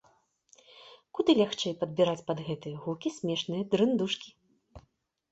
Куды лягчэй падбіраць пад гэтыя гукі смешныя дрындушкі.